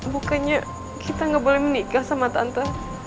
bukannya kita nggak boleh menikah sama tante